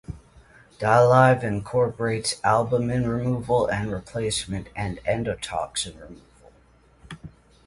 Dialive incorporates albumin removal and replacement and, endotoxin removal.